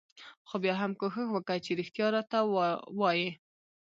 خو بيا هم کوښښ وکه چې رښتيا راته وايې.